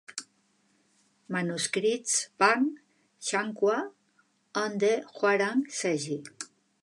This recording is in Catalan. Manuscrits "Pak Ch'anghwa and the Hwarang segi".